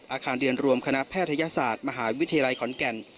อาคารเรียนรวมคณะแพทยศาสตร์มหาวิทยาลัยขอนแก่น